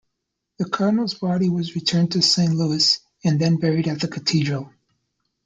The Cardinal's body was returned to Saint Louis and then buried at the Cathedral.